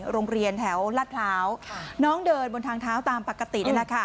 โรงเรียนแถวลาดพร้าวน้องเดินบนทางเท้าตามปกตินั่นแหละค่ะ